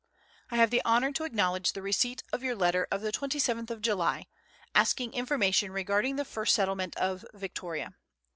I have the honour to acknowledge the receipt of your letter of the 27th of July, asking information regarding the first settle ment of Victoria.